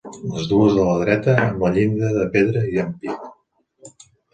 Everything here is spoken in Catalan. Les dues de la dreta amb llinda de pedra i ampit.